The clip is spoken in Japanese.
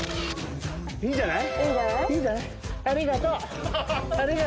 いいんじゃない？